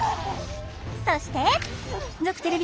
そして。